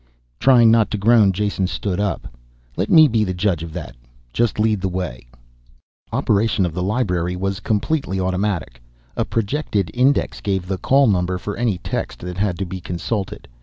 Trying not to groan, Jason stood up. "Let me be the judge of that. Just lead the way." Operation of the library was completely automatic. A projected index gave the call number for any text that had to be consulted.